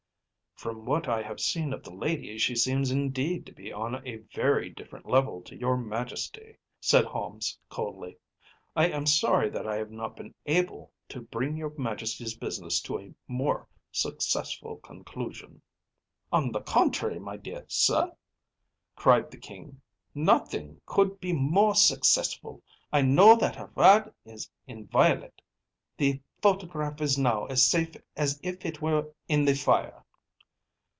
‚ÄĚ “From what I have seen of the lady, she seems, indeed, to be on a very different level to your Majesty,‚ÄĚ said Holmes coldly. “I am sorry that I have not been able to bring your Majesty’s business to a more successful conclusion.‚ÄĚ “On the contrary, my dear sir,‚ÄĚ cried the King; “nothing could be more successful. I know that her word is inviolate. The photograph is now as safe as if it were in the fire.